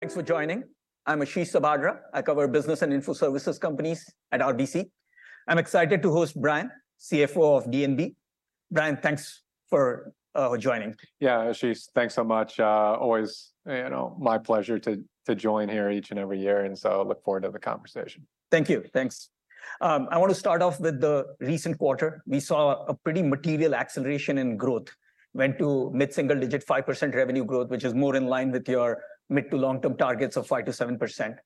Thanks for joining. I'm Ashish Sabadra. I cover business and info services companies at RBC. I'm excited to host Bryan, CFO of D&B. Bryan, thanks for joining. Yeah, Ashish, thanks so much. Always, you know, my pleasure to join here each and every year, and so I look forward to the conversation. Thank you. Thanks. I wanna start off with the recent quarter. We saw a pretty material acceleration in growth. Went to mid-single digit, 5% revenue growth, which is more in line with your mid- to long-term targets of 5%-7%.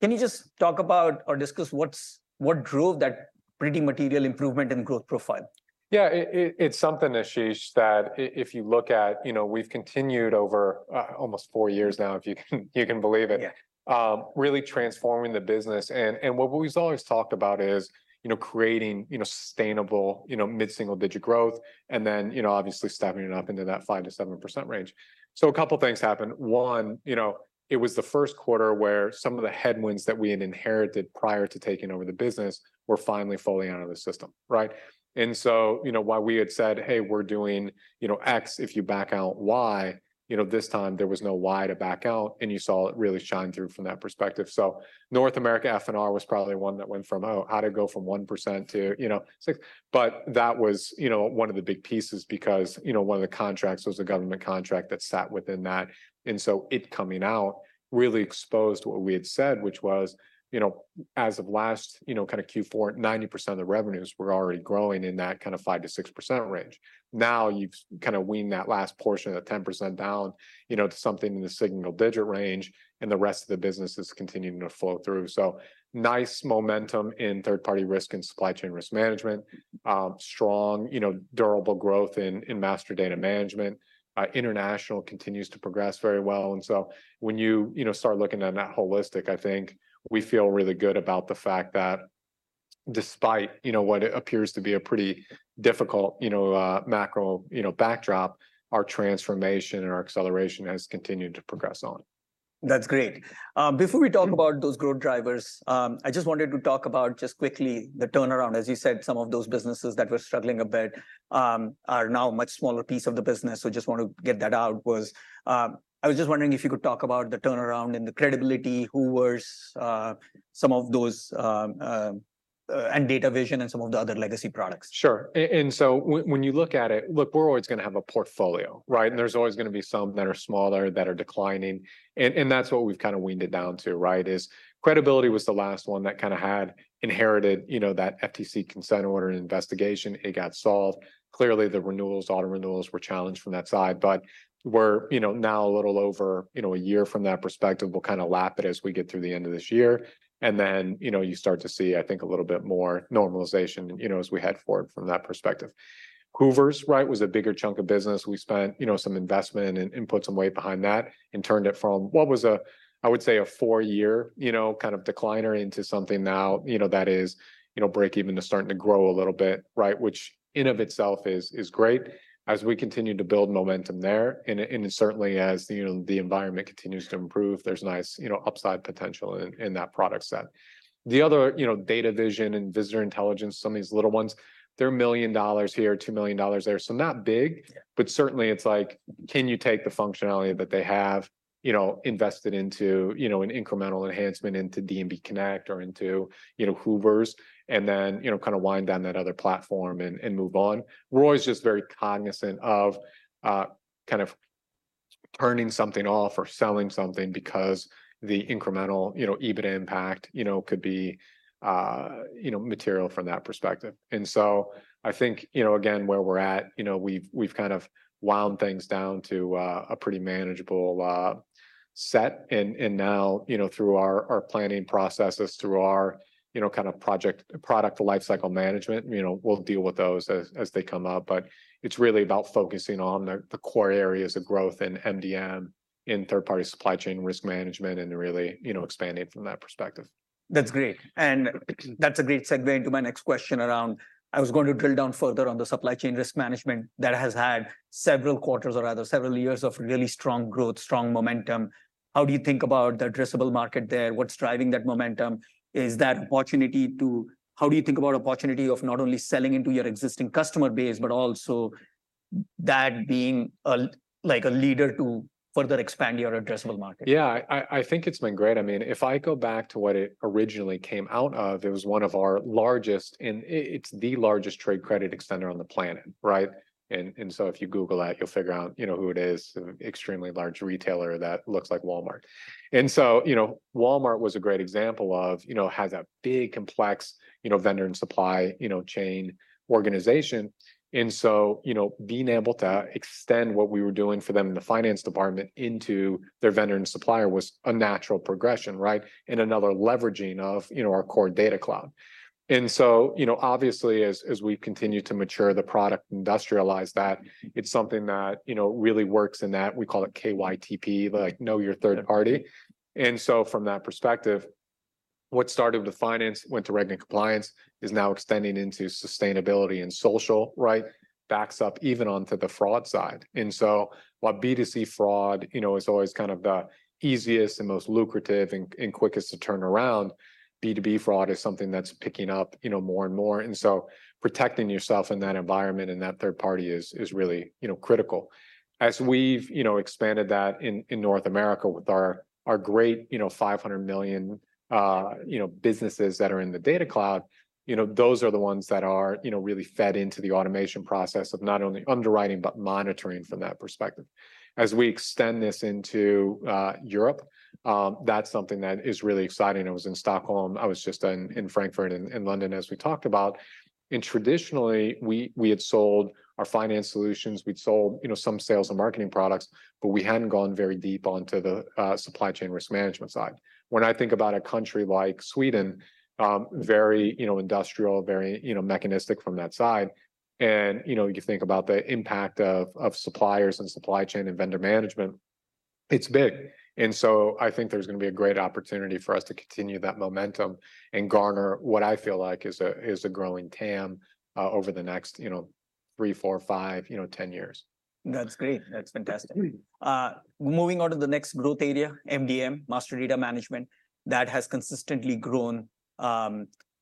Can you just talk about or discuss what drove that pretty material improvement in growth profile? Yeah, it's something, Ashish, that if you look at, you know, we've continued over almost four years now, if you can believe it- Yeah... really transforming the business. And, and what we've always talked about is, you know, creating, you know, sustainable, you know, mid-single digit growth, and then, you know, obviously stepping it up into that 5%-7% range. So a couple things happened. One, you know, it was the Q1 where some of the headwinds that we had inherited prior to taking over the business were finally falling out of the system, right? And so, you know, while we had said, "Hey, we're doing, you know, X if you back out Y," you know, this time there was no Y to back out, and you saw it really shine through from that perspective. So North America F&R was probably one that went from 1% to 6%. But that was, you know, one of the big pieces because, you know, one of the contracts was a government contract that sat within that. And so it coming out really exposed what we had said, which was, you know, as of last, you know, kind of Q4, 90% of the revenues were already growing in that kind of 5%-6% range. Now you've kind of weaned that last portion of the 10% down, you know, to something in the single digit range, and the rest of the business is continuing to flow through. So nice momentum in third-party risk and supply chain risk management. Strong, you know, durable growth in master data management. International continues to progress very well, and so when you, you know, start looking at that holistic, I think we feel really good about the fact that despite, you know, what appears to be a pretty difficult, you know, macro, you know, backdrop, our transformation and our acceleration has continued to progress on. That's great. Before we talk about- Mm... those growth drivers, I just wanted to talk about just quickly the turnaround. As you said, some of those businesses that were struggling a bit are now a much smaller piece of the business, so just want to get that out. I was just wondering if you could talk about the turnaround and the Credibility, Hoovers, some of those, and Data Vision and some of the other legacy products. Sure. And so when you look at it, look, we're always gonna have a portfolio, right? And there's always gonna be some that are smaller, that are declining, and that's what we've kind of weaned it down to, right? Is Credibility was the last one that kind of had inherited, you know, that FTC consent order investigation. It got solved. Clearly, the renewals, auto renewals were challenged from that side, but we're, you know, now a little over, you know, a year from that perspective. We'll kind of lap it as we get through the end of this year, and then, you know, you start to see, I think, a little bit more normalization, you know, as we head forward from that perspective. Hoovers, right, was a bigger chunk of business. We spent, you know, some investment and put some weight behind that, and turned it from what was a, I would say, a four-year, you know, kind of decliner into something now, you know, that is, you know, breaking even to starting to grow a little bit, right? Which in of itself is great as we continue to build momentum there. And certainly as, you know, the environment continues to improve, there's nice, you know, upside potential in that product set. The other, you know, Data Vision and Visitor Intelligence, some of these little ones, they're $1 million here, $2 million there, so not big- Yeah... but certainly it's like, can you take the functionality that they have, you know, invested into, you know, an incremental enhancement into D&B Connect or into, you know, Hoovers, and then, you know, kind of wind down that other platform and move on? Roy's just very cognizant of kind of turning something off or selling something because the incremental, you know, EBIT impact, you know, could be, you know, material from that perspective. And so I think, you know, again, where we're at, you know, we've, we've kind of wound things down to a pretty manageable set. And now, you know, through our planning processes, through our, you know, kind of product lifecycle management, you know, we'll deal with those as they come up. But it's really about focusing on the core areas of growth in MDM, in third-party Supply Chain Risk Management, and really, you know, expanding from that perspective. That's great. And that's a great segue into my next question around... I was going to drill down further on the supply chain risk management that has had several quarters or rather, several years of really strong growth, strong momentum. How do you think about the addressable market there? What's driving that momentum? Is that opportunity to-- How do you think about opportunity of not only selling into your existing customer base, but also that being a, like, a leader to further expand your addressable market? Yeah, I think it's been great. I mean, if I go back to what it originally came out of, it was one of our largest, and it's the largest trade credit extender on the planet, right? And so if you google that, you'll figure out, you know, who it is, an extremely large retailer that looks like Walmart. And so, you know, Walmart was a great example of, you know, has a big, complex, you know, vendor and supply, you know, chain organization. And so, you know, being able to extend what we were doing for them in the finance department into their vendor and supplier was a natural progression, right? And another leveraging of, you know, our core data cloud. And so, you know, obviously, as we've continued to mature the product, industrialize that, it's something that, you know, really works in that. We call it KYTP, like, know your third party. Yeah. And so from that perspective, what started with finance, went to reg and compliance, is now extending into sustainability and social, right? Backs up even onto the fraud side. And so while B2C fraud, you know, is always kind of the easiest and most lucrative and quickest to turn around, B2B fraud is something that's picking up, you know, more and more. And so protecting yourself in that environment and that third party is really, you know, critical. As we've, you know, expanded that in North America with our great, you know, 500 million businesses that are in the data cloud, you know, those are the ones that are, you know, really fed into the automation process of not only underwriting, but monitoring from that perspective. As we extend this into Europe, that's something that is really exciting. I was in Stockholm, I was just in Frankfurt and London, as we talked about. And traditionally, we had sold our finance solutions, we'd sold, you know, some sales and marketing products, but we hadn't gone very deep onto the Supply Chain Risk Management side. When I think about a country like Sweden, very, you know, industrial, very, you know, mechanistic from that side, and, you know, you think about the impact of suppliers and supply chain and vendor management, it's big. And so I think there's gonna be a great opportunity for us to continue that momentum and garner what I feel like is a growing TAM over the next, you know, three, four, five, you know, 10 years. That's great. That's fantastic. Moving on to the next growth area, MDM, master data management, that has consistently grown,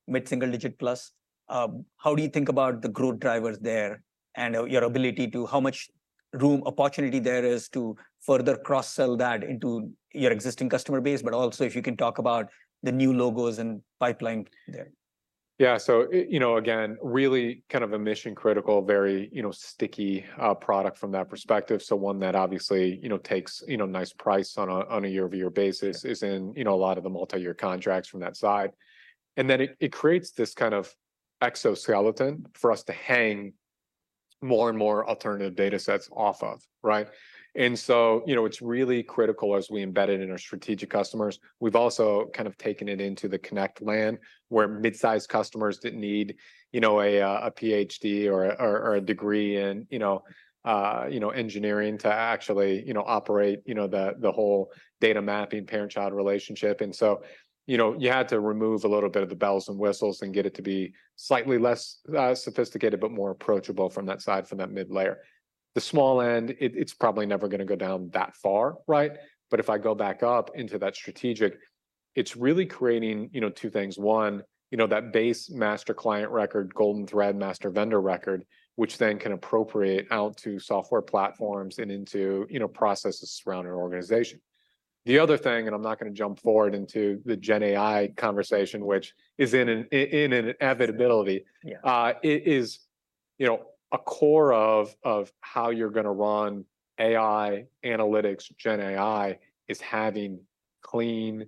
mid-single digit plus. How do you think about the growth drivers there and, your ability to how much room, opportunity there is to further cross-sell that into your existing customer base, but also if you can talk about the new logos and pipeline there? Yeah, so, you know, again, really kind of a mission-critical, very, you know, sticky product from that perspective. So one that obviously, you know, takes, you know, nice price on a year-over-year basis, is in, you know, a lot of the multi-year contracts from that side. And then it creates this kind of exoskeleton for us to hang more and more alternative data sets off of, right? And so, you know, it's really critical as we embed it in our strategic customers. We've also kind of taken it into the connect land, where mid-sized customers didn't need, you know, a PhD or a degree in, you know, engineering to actually, you know, operate the whole data mapping parent-child relationship. And so, you know, you had to remove a little bit of the bells and whistles and get it to be slightly less sophisticated, but more approachable from that side, from that mid layer. The small end, it, it's probably never gonna go down that far, right? But if I go back up into that strategic, it's really creating, you know, two things. One, you know, that base master client record, golden thread master vendor record, which then can appropriate out to software platforms and into, you know, processes around an organization. The other thing, and I'm not gonna jump forward into the Gen AI conversation, which is in an inevitability- Yeah... is, you know, a core of, of how you're gonna run AI, analytics, Gen AI, is having clean,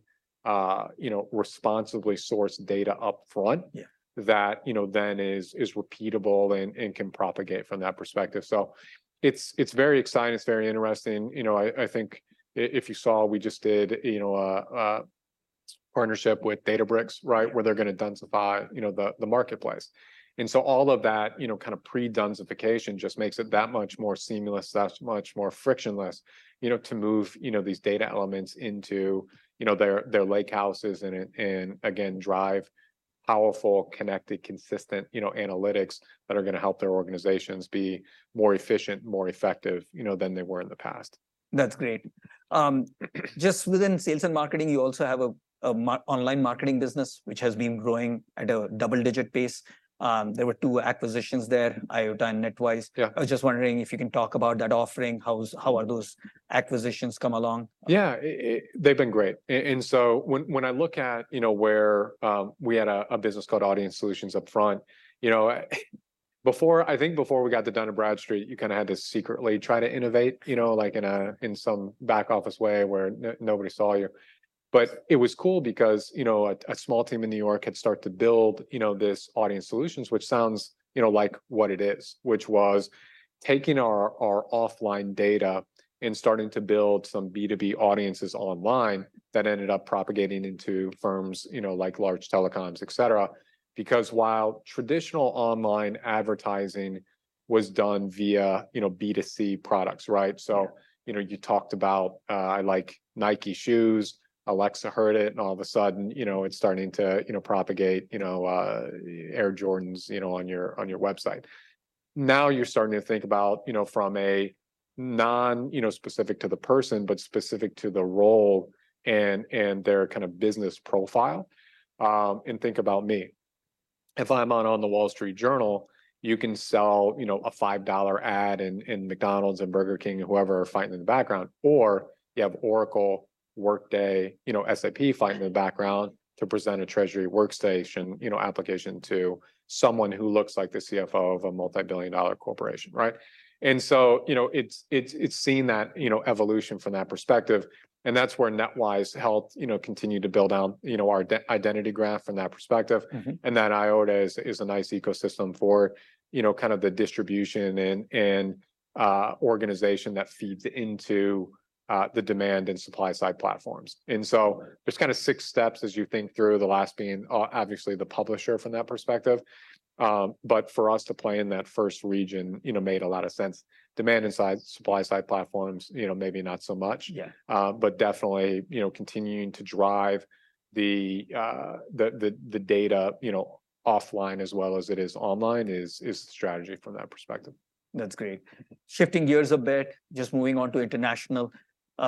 you know, responsibly sourced data upfront- Yeah... that, you know, then is repeatable and can propagate from that perspective. So it's very exciting, it's very interesting. You know, I think if you saw, we just did, you know, a partnership with Databricks, right? Mm. Where they're gonna densify, you know, the marketplace. So all of that, you know, kind of pre-densifications just makes it that much more seamless, that much more frictionless, you know, to move, you know, these data elements into, you know, their lake houses and it, and again, drive powerful, connected, consistent, you know, analytics, that are gonna help their organizations be more efficient, more effective, you know, than they were in the past. That's great. Just within sales and marketing, you also have an online marketing business, which has been growing at a double-digit pace. There were two acquisitions there, Eyeota and NetWise. Yeah. I was just wondering if you can talk about that offering. How are those acquisitions come along? Yeah, they've been great. And so when I look at, you know, where we had a business called Audience Solutions upfront. You know, before, I think before we got to Dun & Bradstreet, you kinda had to secretly try to innovate, you know, like in a back office way where nobody saw you. But it was cool because, you know, a small team in New York had started to build, you know, this Audience Solutions, which sounds, you know, like what it is, which was taking our offline data and starting to build some B2B audiences online that ended up propagating into firms, you know, like large telecoms, et cetera. Because while traditional online advertising was done via, you know, B2C products, right? Yeah. So, you know, you talked about, I like Nike shoes, Alexa heard it, and all of a sudden, you know, it's starting to, you know, propagate, you know, Air Jordans, you know, on your, on your website. Now you're starting to think about, you know, from a non, you know, specific to the person, but specific to the role and, and their kind of business profile. And think about me. If I'm on, on the Wall Street Journal, you can sell, you know, a $5 ad in, in McDonald's and Burger King, whoever are fighting in the background, or you have Oracle, Workday, you know, SAP fighting in the background to present a treasury workstation, you know, application to someone who looks like the CFO of a multi-billion dollar corporation, right? And so, you know, it's seen that, you know, evolution from that perspective, and that's where NetWise helped, you know, continue to build out, you know, our identity graph from that perspective. Mm-hmm. And then Eyeota is a nice ecosystem for, you know, kind of the distribution and organization that feeds into the demand and supply side platforms. And so there's kind of six steps as you think through, the last being obviously the publisher from that perspective. But for us to play in that first region, you know, made a lot of sense. Demand and side, supply side platforms, you know, maybe not so much. Yeah. But definitely, you know, continuing to drive the data, you know, offline as well as it is online, is the strategy from that perspective. That's great. Shifting gears a bit, just moving on to international.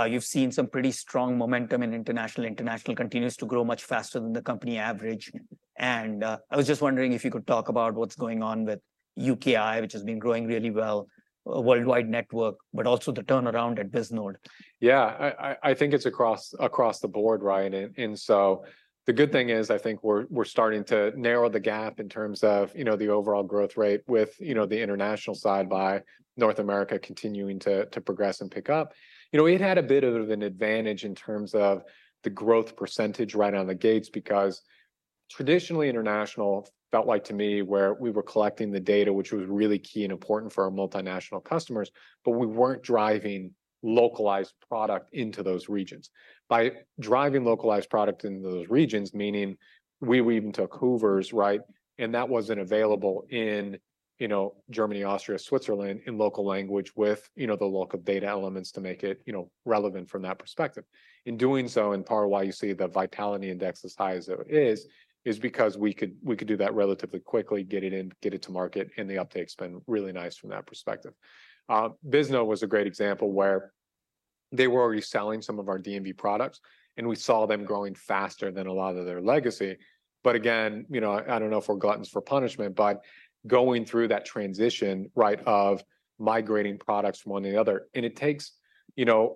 You've seen some pretty strong momentum in international. International continues to grow much faster than the company average. I was just wondering if you could talk about what's going on with UKI, which has been growing really well, worldwide network, but also the turnaround at Bisnode? Yeah, I think it's across the board, Ryan. And so the good thing is, I think we're starting to narrow the gap in terms of, you know, the overall growth rate with, you know, the international side by North America continuing to progress and pick up. You know, we've had a bit of an advantage in terms of the growth percentage right out of the gates, because traditionally international felt like to me, where we were collecting the data, which was really key and important for our multinational customers, but we weren't driving localized product into those regions. By driving localized product into those regions, meaning we even took Hoover's, right? And that wasn't available in, you know, Germany, Austria, Switzerland, in local language with, you know, the local data elements to make it, you know, relevant from that perspective. In doing so, in part why you see the Vitality Index as high as it is, is because we could do that relatively quickly, get it in, get it to market, and the uptake's been really nice from that perspective. Bisnode was a great example where they were already selling some of our D&B products, and we saw them growing faster than a lot of their legacy. But again, you know, I don't know if we're gluttons for punishment, but going through that transition, right, of migrating products from one to the other, and it takes, you know,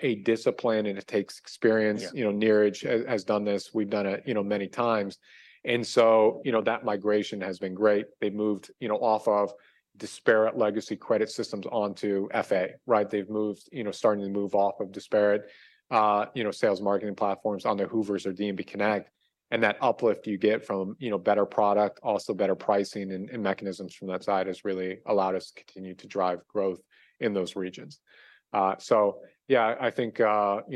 a discipline, and it takes experience. Yeah. You know, Neeraj has done this. We've done it, you know, many times. And so, you know, that migration has been great. They've moved, you know, off of disparate legacy credit systems onto FA, right? They've moved. You know, starting to move off of disparate, you know, sales marketing platforms onto Hoover's or D&B Connect. And that uplift you get from, you know, better product, also better pricing and mechanisms from that side has really allowed us to continue to drive growth in those regions. So yeah, I think, you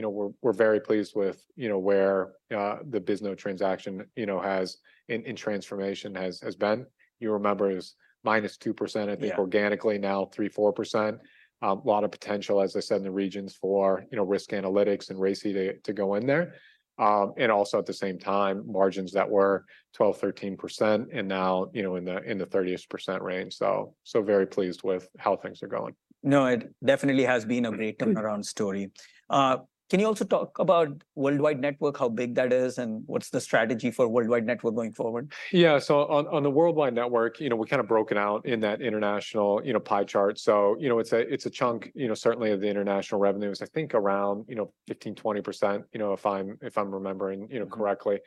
know, we're very pleased with, you know, where the Bisnode transaction, you know, has in transformation has been. You remember, it was -2%, I think- Yeah... organically, now 3%-4%. A lot of potential, as I said, in the regions for, you know, risk analytics and racy to go in there. And also at the same time, margins that were 12%-13% and now, you know, in the 30-ish% range. So very pleased with how things are going. No, it definitely has been a great- Mm... turnaround story. Can you also talk about worldwide network, how big that is, and what's the strategy for worldwide network going forward? Yeah. So on the worldwide network, you know, we kind of broke it out in that international, you know, pie chart. So, you know, it's a chunk, you know, certainly of the international revenues. I think around, you know, 15%-20%, you know, if I'm remembering, you know, correctly.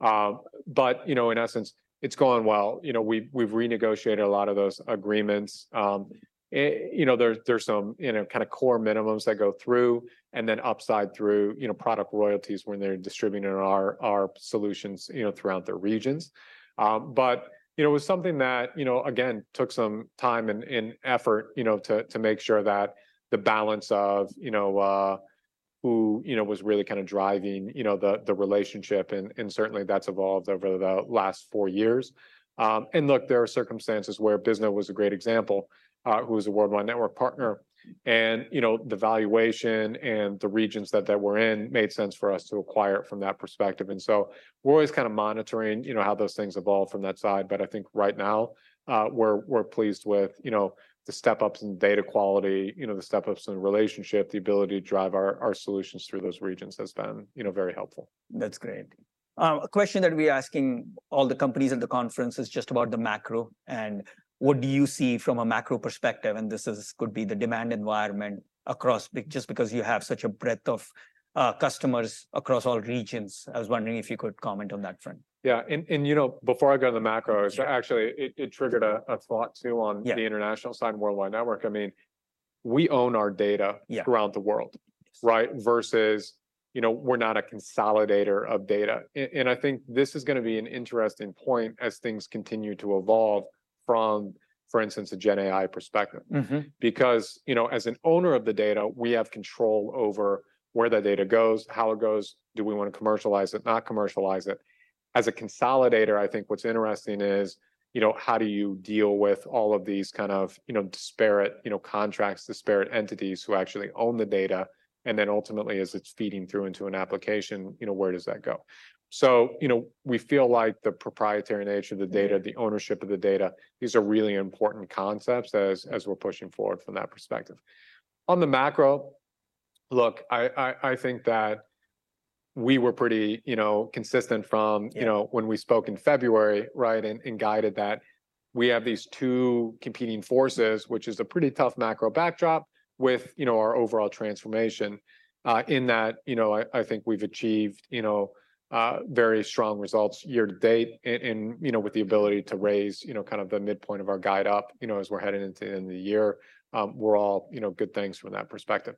But, you know, in essence, it's going well. You know, we've renegotiated a lot of those agreements. You know, there, there's some, you know, kind of core minimums that go through, and then upside through, you know, product royalties when they're distributing our solutions, you know, throughout the regions. But you know, it was something that, you know, again, took some time and, and effort, you know, to, to make sure that the balance of, you know, who, you know, was really kind of driving, you know, the, the relationship and, and certainly that's evolved over the last four years. And look, there are circumstances where Bisnode was a great example, who was a worldwide network partner, and, you know, the valuation and the regions that, that we're in, made sense for us to acquire from that perspective. And so we're always kind of monitoring, you know, how those things evolve from that side. But I think right now, we're, we're pleased with, you know, the step-ups in data quality, you know, the step-ups in the relationship, the ability to drive our, our solutions through those regions has been, you know, very helpful. That's great. A question that we're asking all the companies at the conference is just about the macro, and what do you see from a macro perspective? And this could be the demand environment across... just because you have such a breadth of customers across all regions. I was wondering if you could comment on that front. Yeah. And, and, you know, before I go to the macro- Yeah... actually, it triggered a thought, too, on- Yeah... the international side and worldwide network. I mean, we own our data- Yeah... throughout the world, right? Versus, you know, we're not a consolidator of data. And I think this is gonna be an interesting point as things continue to evolve from, for instance, a GenAI perspective. Mm-hmm. Because, you know, as an owner of the data, we have control over where that data goes, how it goes, do we wanna commercialize it, not commercialize it? As a consolidator, I think what's interesting is, you know, how do you deal with all of these kind of, you know, disparate, you know, contracts, disparate entities who actually own the data, and then ultimately, as it's feeding through into an application, you know, where does that go? So, you know, we feel like the proprietary nature of the data- Yeah... the ownership of the data, these are really important concepts as we're pushing forward from that perspective. On the macro, look, I think that we were pretty, you know, consistent from- Yeah... you know, when we spoke in February, right, and guided that. We have these two competing forces, which is a pretty tough macro backdrop with, you know, our overall transformation. In that, you know, I think we've achieved, you know, very strong results year to date, and, you know, with the ability to raise, you know, kind of the midpoint of our guide up, you know, as we're heading into the end of the year. We're all, you know, good things from that perspective.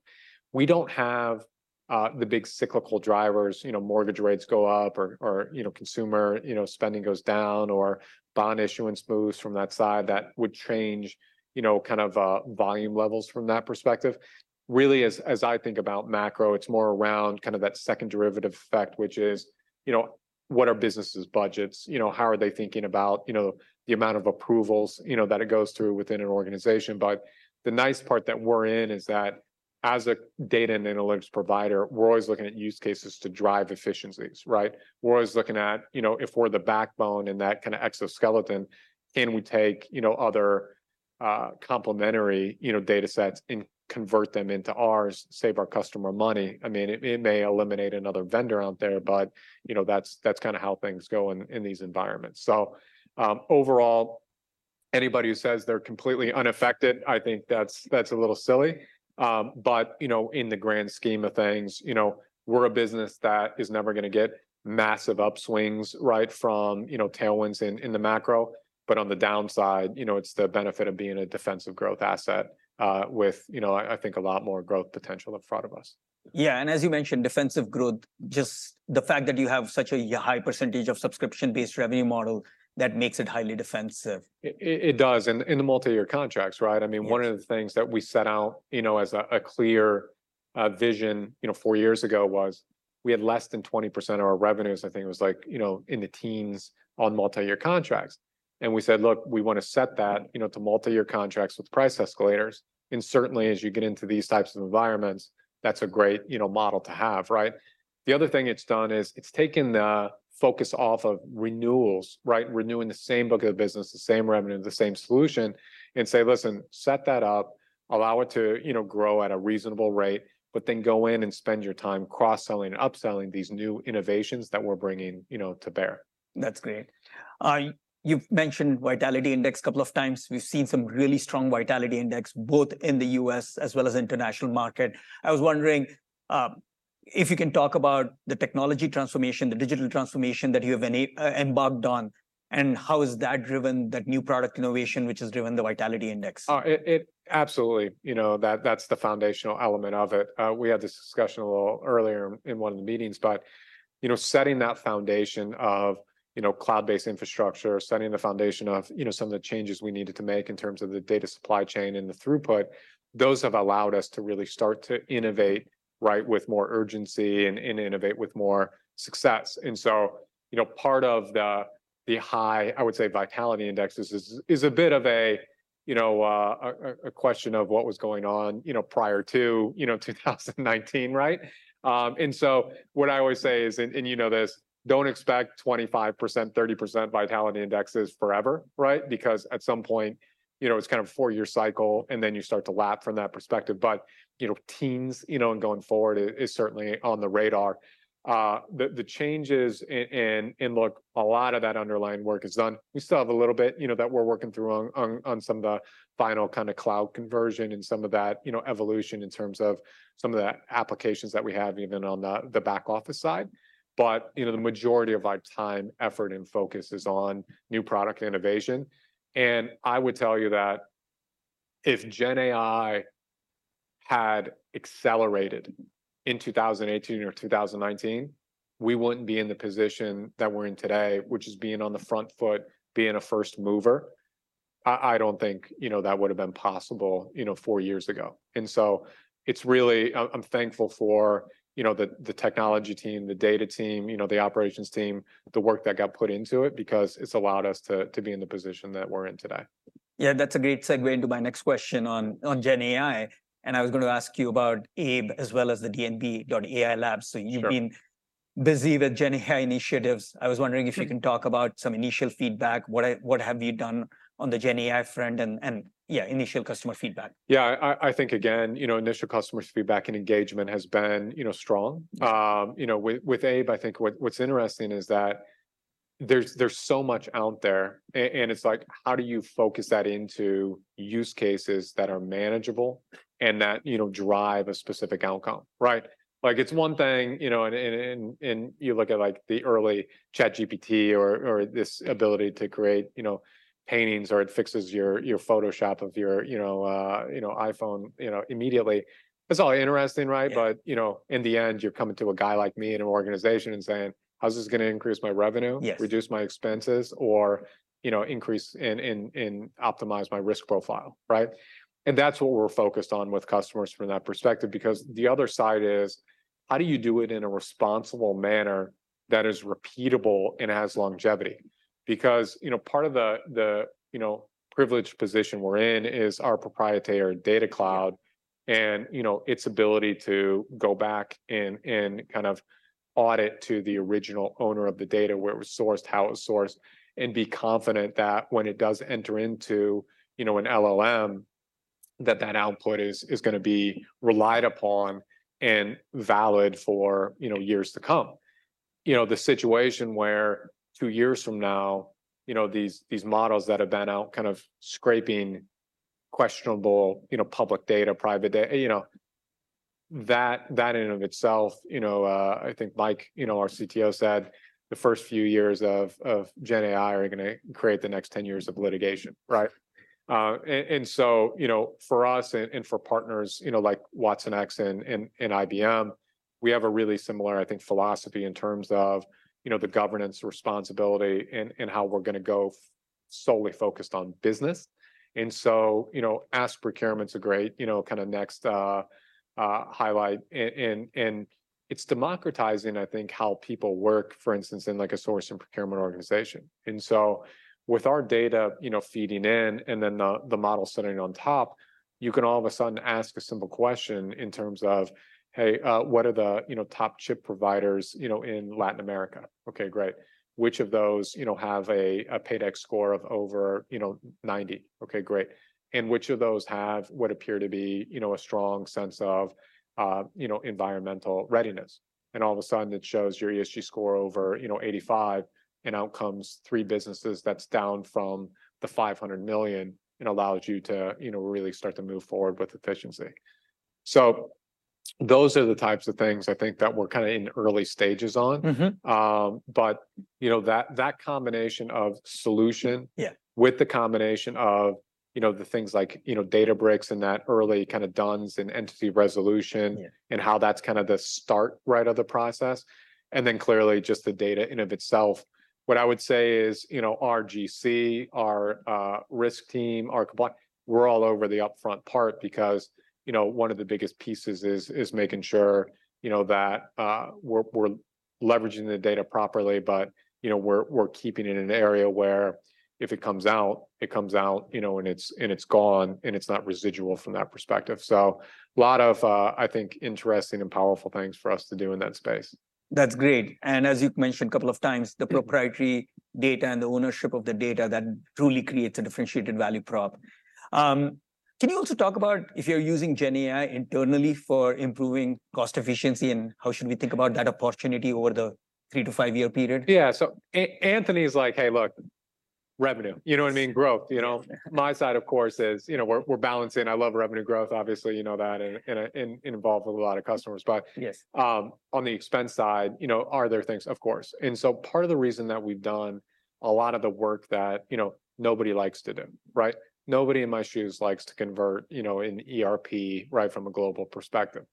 We don't have the big cyclical drivers, you know, mortgage rates go up or, you know, consumer, you know, spending goes down, or bond issuance boosts from that side, that would change, you know, kind of volume levels from that perspective. Really, as I think about macro, it's more around kind of that second derivative effect, which is, you know, what are businesses' budgets? You know, how are they thinking about, you know, the amount of approvals, you know, that it goes through within an organization. But the nice part that we're in is that, as a data and analytics provider, we're always looking at use cases to drive efficiencies, right? We're always looking at, you know, if we're the backbone in that kind of exoskeleton, can we take, you know, other complementary, you know, data sets and convert them into ours, save our customer money. I mean, it may eliminate another vendor out there, but, you know, that's kinda how things go in these environments. So, overall, anybody who says they're completely unaffected, I think that's a little silly. But, you know, in the grand scheme of things, you know, we're a business that is never gonna get massive upswings, right, from, you know, tailwinds in the macro. But on the downside, you know, it's the benefit of being a defensive growth asset, with, you know, I think a lot more growth potential in front of us. Yeah, and as you mentioned, defensive growth, just the fact that you have such a high percentage of subscription-based revenue model, that makes it highly defensive. It does, and in the multi-year contracts, right? Yes. I mean, one of the things that we set out, you know, as a clear vision, you know, four years ago was we had less than 20% of our revenues, I think it was like, you know, in the teens, on multi-year contracts. And we said, "Look, we wanna set that, you know, to multi-year contracts with price escalators." And certainly, as you get into these types of environments, that's a great, you know, model to have, right? The other thing it's done is it's taken the focus off of renewals, right? Renewing the same book of business, the same revenue, the same solution, and say, "Listen, set that up, allow it to, you know, grow at a reasonable rate, but then go in and spend your time cross-selling and upselling these new innovations that we're bringing, you know, to bear. That's great. You've mentioned Vitality Index a couple of times. We've seen some really strong Vitality Index, both in the U.S. as well as international market. I was wondering if you can talk about the technology transformation, the digital transformation that you have embarked on, and how has that driven that new product innovation, which has driven the Vitality Index? Absolutely. You know, that's the foundational element of it. We had this discussion a little earlier in one of the meetings. But, you know, setting that foundation of, you know, cloud-based infrastructure, setting the foundation of, you know, some of the changes we needed to make in terms of the data supply chain and the throughput, those have allowed us to really start to innovate, right, with more urgency and innovate with more success. And so, you know, part of the high, I would say, Vitality Index is a bit of a, you know, a question of what was going on, you know, prior to 2019, right? So what I always say is, and you know this, "Don't expect 25%, 30% Vitality Indexes forever," right? Because at some point, you know, it's kind of a four-year cycle, and then you start to lap from that perspective. But, you know, teens, you know, and going forward it is certainly on the radar. The changes, and look, a lot of that underlying work is done. We still have a little bit, you know, that we're working through on some of the final kind of cloud conversion and some of that, you know, evolution in terms of some of the applications that we have, even on the back office side. But, you know, the majority of our time, effort, and focus is on new product innovation. And I would tell you that if GenAI had accelerated in 2018 or 2019, we wouldn't be in the position that we're in today, which is being on the front foot, being a first mover. I don't think, you know, that would've been possible, you know, four years ago. And so it's really... I'm thankful for, you know, the technology team, the data team, you know, the operations team, the work that got put into it, because it's allowed us to be in the position that we're in today. Yeah, that's a great segue into my next question on, on GenAI, and I was gonna ask you about ABE as well as the dnb.ai lab. Sure. So you've been busy with GenAI initiatives. I was wondering- Sure... if you can talk about some initial feedback, what have you done on the GenAI front, and, and, yeah, initial customer feedback? Yeah, I think, again, you know, initial customers' feedback and engagement has been, you know, strong. Yes. You know, with ABE, I think what's interesting is that there's so much out there, and it's like, how do you focus that into use cases that are manageable and that, you know, drive a specific outcome, right? Like, it's one thing, you know, and you look at, like, the early ChatGPT or this ability to create, you know, paintings, or it fixes your Photoshop of your, you know, iPhone, you know, immediately. It's all interesting, right? Yeah. You know, in the end, you're coming to a guy like me in an organization and saying, "How is this gonna increase my revenue? Yes. Reduce my expenses, or, you know, increase and optimize my risk profile," right? That's what we're focused on with customers from that perspective, because the other side is: how do you do it in a responsible manner that is repeatable and has longevity? Because, you know, part of the you know, privileged position we're in is our proprietary data cloud and, you know, its ability to go back and kind of audit to the original owner of the data, where it was sourced, how it was sourced, and be confident that when it does enter into, you know, an LLM, that output is gonna be relied upon and valid for, you know, years to come. You know, the situation where two years from now, you know, these models that have been out kind of scraping questionable, you know, public data, private data, you know, that in and of itself. You know, I think Mike, you know, our CTO, said, "The first few years of GenAI are gonna create the next 10 years of litigation," right? And so, you know, for us and for partners, you know, like watsonx and IBM, we have a really similar, I think, philosophy in terms of, you know, the governance responsibility and how we're gonna go forward solely focused on business. And so, you know, ask procurement's a great, you know, kind of next highlight. And it's democratizing, I think, how people work, for instance, in, like, a source and procurement organization. And so with our data, you know, feeding in, and then the model sitting on top, you can all of a sudden ask a simple question in terms of, "Hey, what are the, you know, top chip providers, you know, in Latin America?" Okay, great. Which of those, you know, have a Paydex score of over, you know, 90? Okay, great. And which of those have what appear to be, you know, a strong sense of, you know, environmental readiness? And all of a sudden it shows your ESG score over, you know, 85, and out comes three businesses that's down from the 500 million, and allows you to, you know, really start to move forward with efficiency. So those are the types of things I think that we're kinda in early stages on. Mm-hmm. But you know, that combination of solution- Yeah... with the combination of, you know, the things like, you know, Databricks and that early kind of DUNS and entity resolution- Yeah... and how that's kind of the start, right, of the process, and then clearly just the data in and of itself. What I would say is, you know, our GC, our risk team, our compliance, we're all over the upfront part because, you know, one of the biggest pieces is making sure, you know, that we're leveraging the data properly. But, you know, we're keeping it in an area where if it comes out, it comes out, you know, and it's gone, and it's not residual from that perspective. So a lot of, I think, interesting and powerful things for us to do in that space. That's great. And as you've mentioned a couple of times, the proprietary data and the ownership of the data, that truly creates a differentiated value prop. Can you also talk about if you're using GenAI internally for improving cost efficiency, and how should we think about that opportunity over the 3-5-year period? Yeah. So Anthony's like, "Hey, look, revenue," you know what I mean? "Growth," you know? My side, of course, is, you know, we're balancing... I love revenue growth, obviously, you know that, and I, and involved with a lot of customers. But- Yes... on the expense side, you know, are there things? Of course. And so part of the reason that we've done a lot of the work that, you know, nobody likes to do, right? Nobody in my shoes likes to convert, you know, an ERP, right, from a global perspective.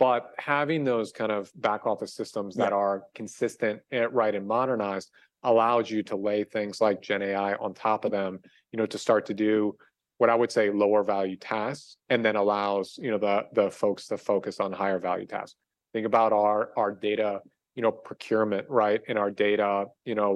But having those kind of back office systems- Yeah... that are consistent, right, and modernized, allows you to lay things like GenAI on top of them, you know, to start to do what I would say lower value tasks, and then allows, you know, the, the folks to focus on higher value tasks. Think about our, our data, you know, procurement, right? And our data, you know,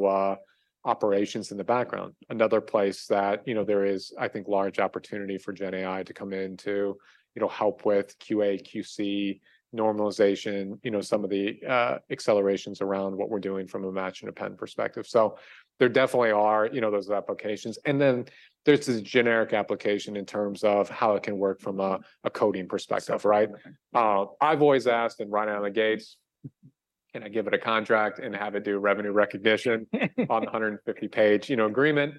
operations in the background. Another place that, you know, there is, I think, large opportunity for GenAI to come in to, you know, help with QA, QC, normalization, you know, some of the, accelerations around what we're doing from a match and append perspective. So there definitely are, you know, those applications, and then there's this generic application in terms of how it can work from a, a coding perspective, right? Yeah. I've always asked, right out of the gates, can I give it a contract and have it do revenue recognition on 150-page, you know, agreement?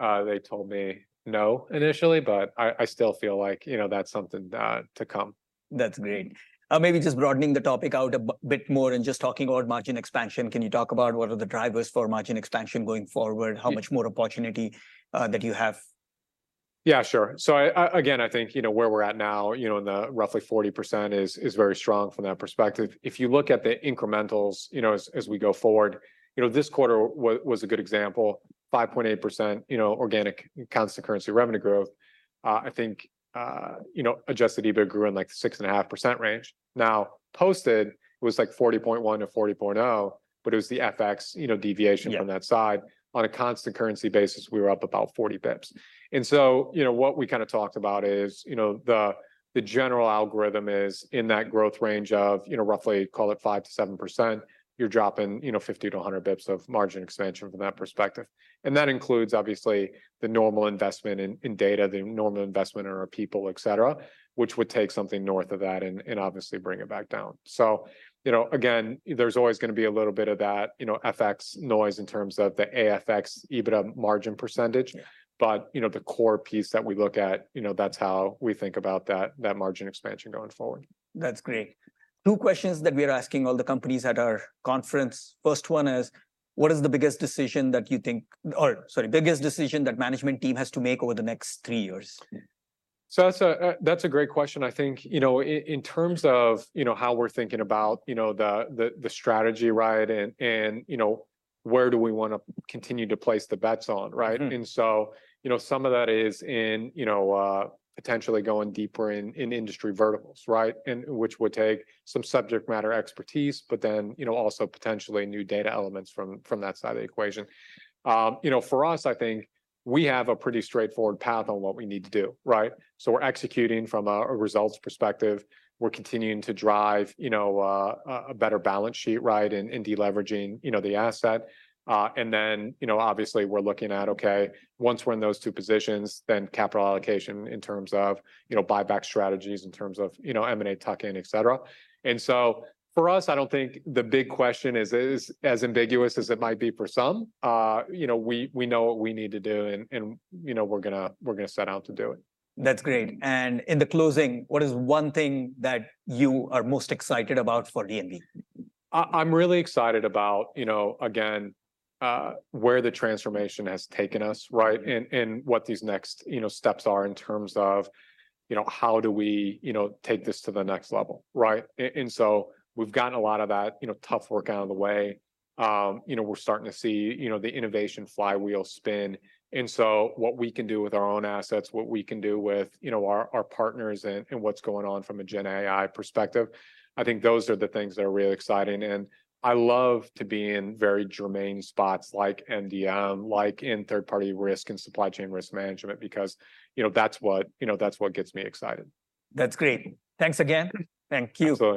They told me no initially, but I still feel like, you know, that's something to come. That's great. Maybe just broadening the topic out a bit more and just talking about margin expansion. Can you talk about what are the drivers for margin expansion going forward? Yeah. How much more opportunity that you have? Yeah, sure. So I, again, I think, you know, where we're at now, you know, in the roughly 40% is, is very strong from that perspective. If you look at the incrementals, you know, as, as we go forward, you know, this quarter was a good example, 5.8%, you know, organic constant currency revenue growth. I think, you know, Adjusted EBIT grew in, like, 6.5% range. Now, posted was, like, 40.1%-40.0%, but it was the FX, you know, deviation from that side. Yeah. On a constant currency basis, we were up about 40 bips. So, you know, what we kinda talked about is, you know, the, the general algorithm is in that growth range of, you know, roughly, call it 5%-7%, you're dropping, you know, 50-100 bips of margin expansion from that perspective. And that includes, obviously, the normal investment in, in data, the normal investment in our people, et cetera, which would take something north of that and, and obviously bring it back down. So, you know, again, there's always gonna be a little bit of that, you know, FX noise in terms of the Adjusted FX EBIT margin percentage. Yeah. But, you know, the core piece that we look at, you know, that's how we think about that, that margin expansion going forward. That's great. Two questions that we are asking all the companies at our conference. First one is, what is the biggest decision that you think... Or sorry, biggest decision that management team has to make over the next three years? So that's a great question. I think, you know, in terms of, you know, how we're thinking about, you know, the strategy, right, and, you know, where do we wanna continue to place the bets on, right? Mm-hmm. And so, you know, some of that is in, you know, potentially going deeper in industry verticals, right? And which would take some subject matter expertise, but then, you know, also potentially new data elements from that side of the equation. You know, for us, I think we have a pretty straightforward path on what we need to do, right? So we're executing from a results perspective. We're continuing to drive, you know, a better balance sheet right, and deleveraging, you know, the asset. And then, you know, obviously we're looking at, okay, once we're in those two positions, then capital allocation in terms of, you know, buyback strategies, in terms of, you know, M&A tuck-in, et cetera. And so for us, I don't think the big question is as ambiguous as it might be for some. You know, we know what we need to do, and you know, we're gonna set out to do it. That's great. In the closing, what is one thing that you are most excited about for D&B? I'm really excited about, you know, again, where the transformation has taken us, right? Mm-hmm. What these next, you know, steps are in terms of, you know, how do we, you know, take this to the next level, right? And so we've gotten a lot of that, you know, tough work out of the way. You know, we're starting to see, you know, the innovation flywheel spin, and so what we can do with our own assets, what we can do with, you know, our partners, and what's going on from a GenAI perspective, I think those are the things that are really exciting. And I love to be in very germane spots like MDM, like in third-party risk and supply chain risk management, because, you know, that's what, you know, that's what gets me excited. That's great. Thanks again. Thank you.